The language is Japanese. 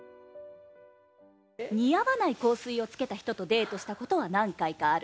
似合わない香水をつけた人とデートしたことは何回かある。